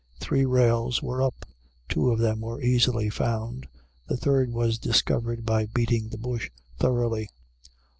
Three rails were up. Two of them were easily found. The third was discovered by beating the bush thoroughly.